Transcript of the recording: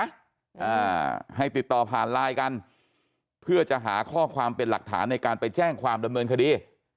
อ่าให้ติดต่อผ่านไลน์กันเพื่อจะหาข้อความเป็นหลักฐานในการไปแจ้งความดำเนินคดี